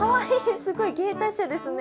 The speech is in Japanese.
すごい芸達者ですね。